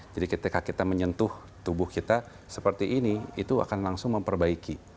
jadi ketika kita menyentuh tubuh kita seperti ini itu akan langsung memperbaiki